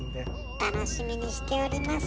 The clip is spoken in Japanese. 楽しみにしております。